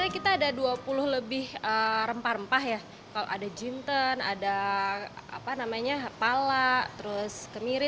kita ada dua puluh lebih rempah rempah ya kalau ada jinten ada apa namanya pala terus kemiri